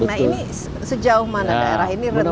nah ini sejauh mana daerah ini rentan